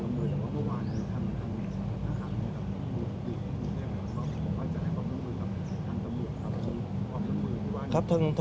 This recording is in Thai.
หมอบรรยาหมอบรรยาหมอบรรยา